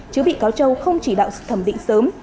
chứ bị cáo châu không chỉ đạo thẩm định sớm